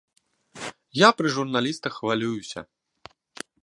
Я пры журналістах хвалююся.